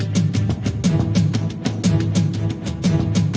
ร้องได้